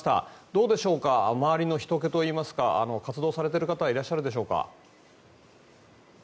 どうでしょうか周りのひとけといいますか活動されている方はいらっしゃいますでしょうか。